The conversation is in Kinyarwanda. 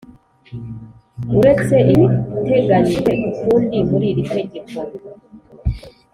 Uretse ibiteganyijwe ukundi muri iri tegeko